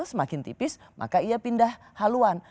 semakin tipis maka ia pindah haluan